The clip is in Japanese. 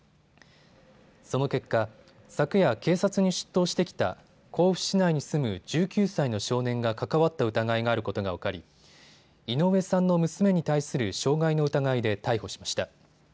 その結果、昨夜警察に出頭してきた甲府市内に住む１９歳の少年が関わった疑いがあることが分かり井上さんの娘に対する傷害の疑いで逮捕しました。